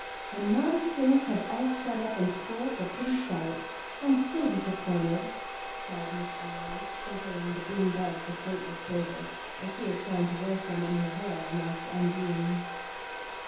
"The naughty things have all shut up and spoilt the pretty sight; I'm so disappointed," sighed Miss Ellery, surveying the green buds with great disfavor as she had planned to wear some in her hair and act Undine.